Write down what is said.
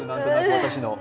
私の。